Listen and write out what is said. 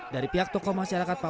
dari pihak toko masyarakat papua